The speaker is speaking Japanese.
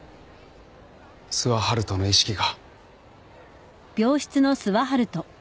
諏訪遙人の意識が。